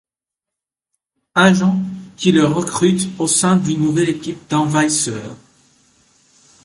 Agent, qui le recrute au sein d'une nouvelle équipe d'Envahisseurs.